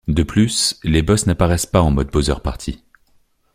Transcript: De plus, les boss n'apparaissent pas en mode Bowser Party.